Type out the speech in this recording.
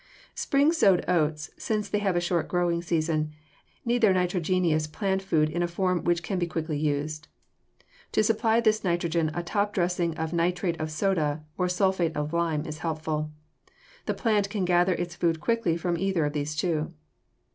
Spring sowed oats, since they have a short growing season, need their nitrogenous plant food in a form which can be quickly used. To supply this nitrogen a top dressing of nitrate of soda or sulphate of lime is helpful. The plant can gather its food quickly from either of these two.